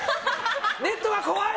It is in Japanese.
ネットが怖い！